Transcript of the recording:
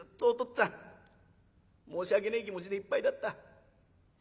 っつぁん申し訳ねえ気持ちでいっぱいだった。